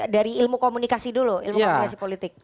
dari ilmu komunikasi dulu ilmu komunikasi politik